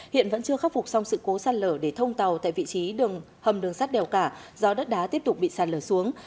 hiện vẫn chưa khắc phục xong sự cố sạt lở để thông tàu tại vị trí hầm đường sắt đèo cả do đất đá tiếp tục bị sạt lở xuống